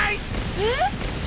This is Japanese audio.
えっ？